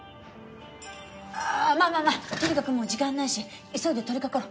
ああまあまあまあとにかくもう時間ないし急いで取りかかろう。